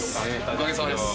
おかげさまです。